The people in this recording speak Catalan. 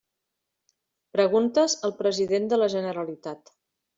Preguntes al president de la Generalitat.